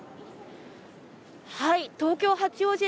東京・八王子駅